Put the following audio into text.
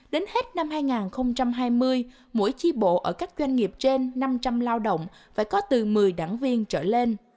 đến hết năm hai nghìn hai mươi mỗi chi bộ ở các doanh nghiệp trên năm trăm linh lao động phải có từ một mươi đảng viên trở lên